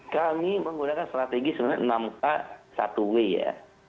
kami menggunakan strategi sebenarnya enam a satu w ya